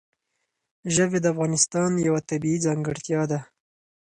ژبې د افغانستان یوه طبیعي ځانګړتیا ده.